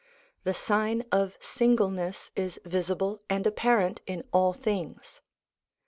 The sign of singleness is visible and apparent in all things.